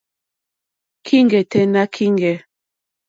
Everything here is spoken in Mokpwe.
Kíŋgɛ̀ tɛ́ nà kíŋgɛ̀.